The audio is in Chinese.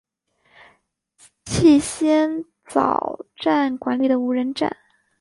气仙沼站管理的无人站。